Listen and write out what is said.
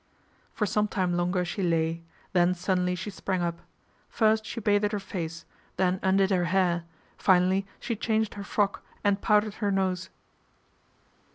For some time longer she lay, then suddenly she sprang up. First she bathed her face, then undid her hair, finally she changed her frock and pow dered her nose.